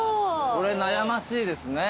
これ悩ましいですね。